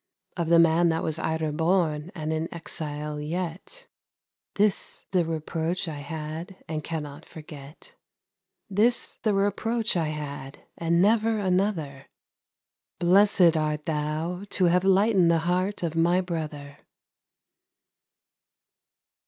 Of the man that was Eiré born, and in exile yet, This the reproach I had, and cannot forget, This the reproach I had, and never another: "Blessed art thou, to have lightened the heart of my brother!"